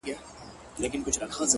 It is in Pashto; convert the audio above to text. • د تورو سترگو وه سورخۍ ته مي،